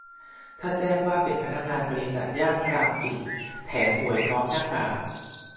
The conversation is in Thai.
ถ้าแจ้งว่าเป็นพนักงานบริษัท ย่านพระรามสี่ แถมหวยพร้อมหน้ากาก